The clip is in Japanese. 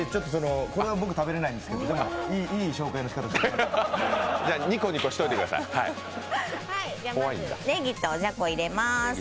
これは僕、食べれないんですけど、でもいい紹介の仕方をしてくれて。